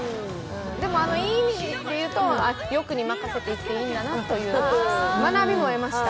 でも、いい意味でいうと、欲に任せていっていいんだなという学びも得ました。